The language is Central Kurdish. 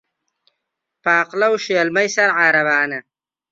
پاقلە و شێلمەی سەر عارەبانە